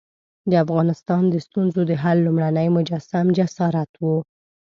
د افغانستان د ستونزو د حل لومړنی مجسم جسارت وو.